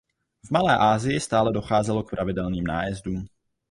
V Malé Asii stále docházelo k pravidelným nájezdům.